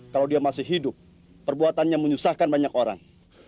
kalau dia masih hidup perbuatannya menyusahkan banyak orang